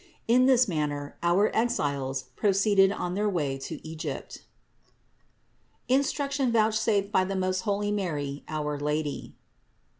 In this manner our Exiles proceeded on their way to Egypt. INSTRUCTION VOUCHSAFED BY TH£ MOST HOLY MARY, OUR IvADY. 638.